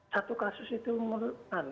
satu kasus itu menurut anda